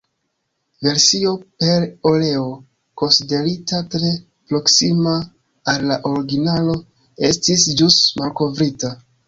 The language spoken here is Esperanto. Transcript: Versio per oleo, konsiderita tre proksima al la originalo, estis ĵus malkovrita.